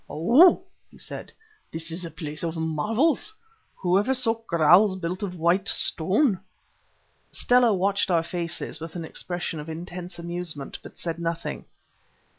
"Ou!" he said; "this is a place of marvels. Who ever saw kraals built of white stone?" Stella watched our faces with an expression of intense amusement, but said nothing.